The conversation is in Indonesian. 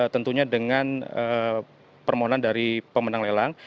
tentunya dengan permohonan dari pemenang lelang